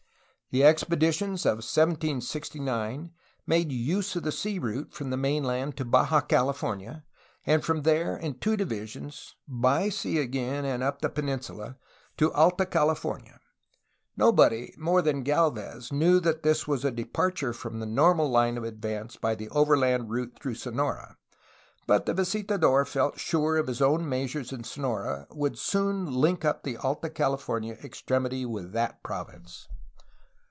The expeditions of 1769 made use of the sea route from the mainland to Baja California and from there in two divisions, by sea again and up the peninsula, to Alta Cali fornia. Nobody, more than Gdlvez, knew that this was a departure from the normal line of advance by the overland route through Sonora, but the visitador felt sure that his own measures in Sonora would soon link up the Alta California extremity with that province.